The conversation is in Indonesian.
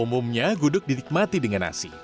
umumnya gudeg dinikmati dengan nasi